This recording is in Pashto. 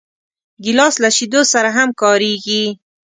ګیلاس له شیدو سره هم کارېږي.